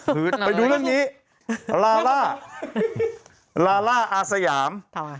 ไปดูเรื่องนี้ลาล่าอาสยาม